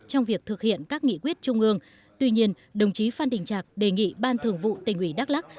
trong việc thực hiện các nghị quyết trung ương tuy nhiên đồng chí phan đình trạc đề nghị ban thường vụ tỉnh ủy đắk lắc